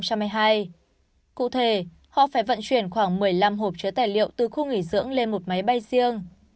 cụ thể họ phải vận chuyển khoảng một mươi năm hộp chứa tài liệu từ khu nghỉ dưỡng lên một máy bay riêng